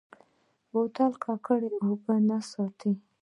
بوتل د ککړو اوبو نه ساتي.